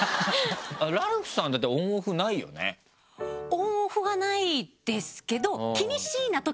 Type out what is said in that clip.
オンオフはないですけどたまに。